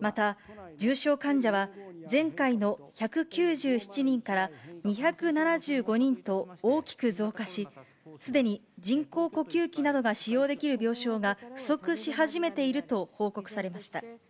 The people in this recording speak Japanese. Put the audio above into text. また、重症患者は前回の１９７人から２７５人と大きく増加し、すでに人工呼吸器などが使用できる病床が不足し始めていると報告されました。